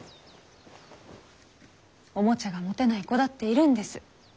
おもちゃが持てない子だっているんです。